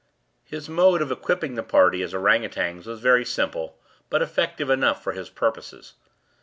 His mode of equipping the party as ourang outangs was very simple, but effective enough for his purposes.